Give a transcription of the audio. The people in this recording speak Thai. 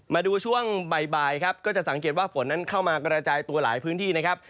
มาดูช่วงบ่ายครับก็จะสังเกตว่าฝนนั้นเข้ามากระจายตัวหลายพื้นที่นะครับ